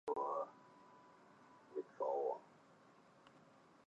托马塔尔是奥地利萨尔茨堡州隆高县的一个市镇。